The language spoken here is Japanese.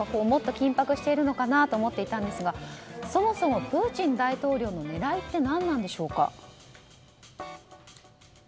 もっと緊迫しているのかと思っていたんですがそもそもプーチン大統領の狙いって何なんでしょうか？